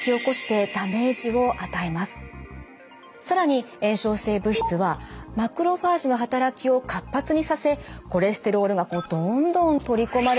更に炎症性物質はマクロファージの働きを活発にさせコレステロールがどんどん取り込まれていきます。